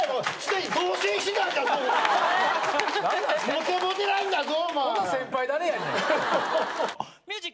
モテモテなんだぞ！